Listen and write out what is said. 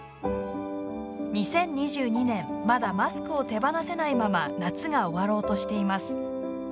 ２０２２年まだマスクを手放せないまま夏が終わろうとしています。